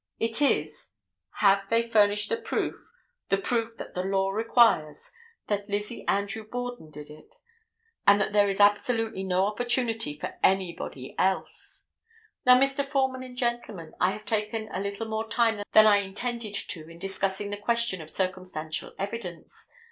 It is, have they furnished the proof, the proof that the law requires, that Lizzie Andrew Borden did it, and that there is absolutely no opportunity for anybody else. Now, Mr. Foreman and gentlemen, I have taken a little more time than I intended to in discussing the question of circumstantial evidence.